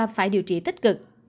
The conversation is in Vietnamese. phải điều trị tích cực